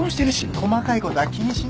細かいことは気にしない